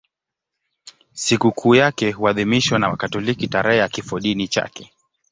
Sikukuu yake huadhimishwa na Wakatoliki tarehe ya kifodini chake.